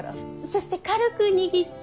そして軽く握って。